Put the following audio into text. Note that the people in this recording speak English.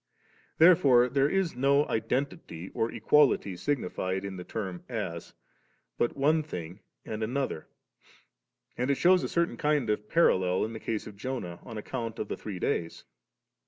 Therefore there is no identity nor equality signified in the term *as,* but one thing and another; and it shews a certain kind* of parallel in the case of Jonah, on account of the three days.